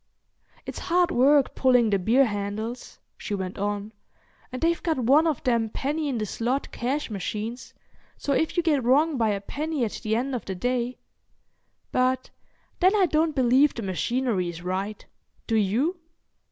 "It's hard work pulling the beer handles," she went on, "and they've got one of them penny in the slot cash machines, so if you get wrong by a penny at the end of the day—but then I don't believe the machinery is right. Do you?"